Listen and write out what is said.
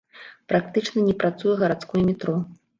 Практычна не працуе гарадское метро.